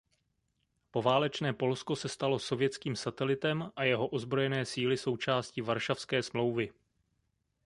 Poválečné Polsko se stalo sovětským satelitem a jeho ozbrojené síly součástí Varšavské smlouvy.